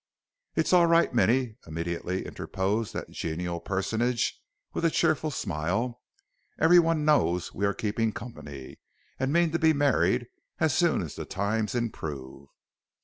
"'It's all right, Minnie,' immediately interposed that genial personage, with a cheerful smile; 'every one knows we are keeping company and mean to be married as soon as the times improve.'